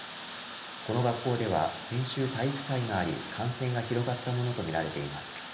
この学校では先週体育祭があり感染が広がったものとみられています。